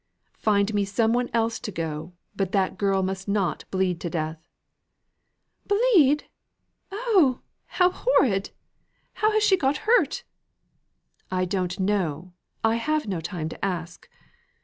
"Find me some one else to go; but that girl must not bleed to death." "Bleed! oh, how horrid! How has she got hurt?" "I don't know, I have no time to ask.